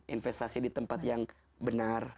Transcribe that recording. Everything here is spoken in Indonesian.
investasi di tempat yang benar